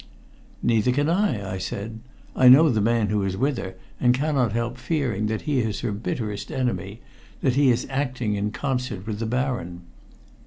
"Neither can I," I said. "I know the man who is with her, and cannot help fearing that he is her bitterest enemy that he is acting in concert with the Baron."